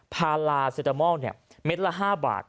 พาราเซตามอลล์เนี่ยเม็ดละ๕บาท